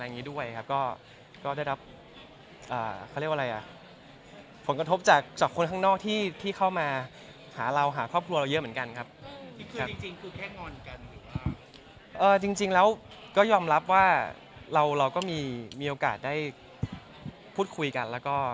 ผลกระทบจาก๒คนข้างนอกที่เข้ามาหาเราเผาหาครอบครัวเราเยอะเหมือนกัน